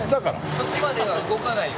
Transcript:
そこまでは動かないよ